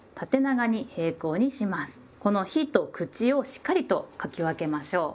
この「日」と「口」をしっかりと書き分けましょう。